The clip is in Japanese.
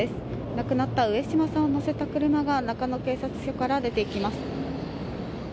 亡くなった上島さんを乗せた車が中野警察署から出てきます。